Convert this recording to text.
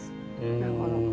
なるほど。